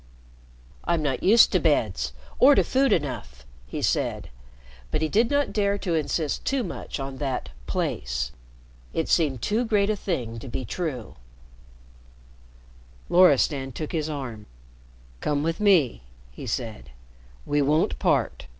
"I'm not used to beds or to food enough," he said. But he did not dare to insist too much on that "place." It seemed too great a thing to be true. Loristan took his arm. "Come with me," he said. "We won't part.